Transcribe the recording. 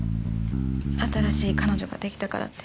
新しい彼女が出来たからって。